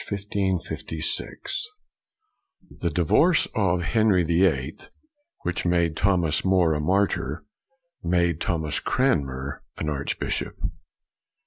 CRANMER 1489 1556 THE divorce of Henry the Eighth, which made Thomas More a martyr, made Thomas Cranmer an archbishop.